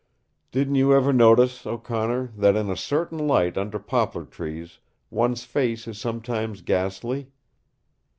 "Didn't you ever notice, O'Connor, that in a certain light under poplar trees one's face is sometimes ghastly?"